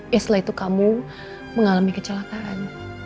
ya setelah itu kamu mengalami kecelakaan